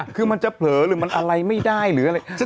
คือมันจะเผลอหรือมันอะไรไม่ได้หรืออะไร